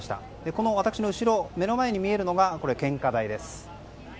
この私の後ろに見えるのが献花台です。